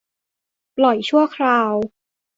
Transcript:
ปล่อยชั่วคราว